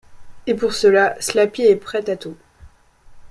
Et pour cela, Slappy est prête à tout.